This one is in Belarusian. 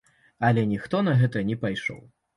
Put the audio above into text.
Але ніхто на гэта не пайшоў.